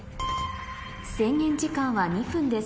制限時間は２分です